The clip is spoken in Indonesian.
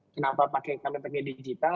kenapa kami pakai digital